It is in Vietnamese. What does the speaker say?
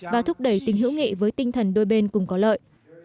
và thúc đẩy tình hữu nghị với tinh thần đôi bên cùng có lợi